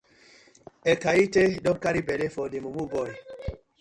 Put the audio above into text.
Ekaete don carry belle for dey mumu boy.